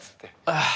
ああ！